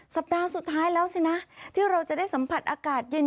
สัปดาห์สุดท้ายแล้วสินะที่เราจะได้สัมผัสอากาศเย็น